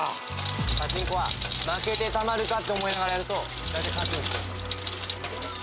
パチンコは負けてたまるかって思いながらやるとだいたい勝つんですよ。